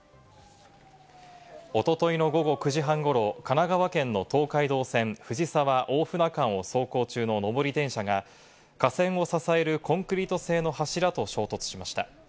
おとといの午後９時半ごろ、神奈川県の東海道線・藤沢‐大船間を走行中ののぼり電車が、架線を支えるコンクリート製の柱と衝突しました。